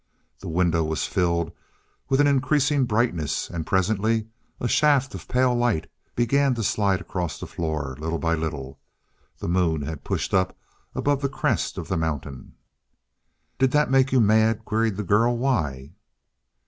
The window was filled with an increasing brightness, and presently a shaft of pale light began to slide across the floor, little by little. The moon had pushed up above the crest of the mountain. "Did that make you mad?" queried the girl. "Why?"